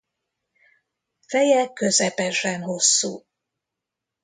Feje közepesen hosszú.